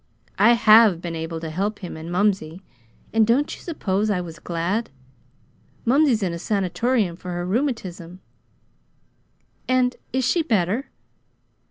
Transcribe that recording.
I HAVE been able to help him and mumsey. And don't you suppose I was glad? Mumsey's in a sanatorium for her rheumatism." "And is she better?"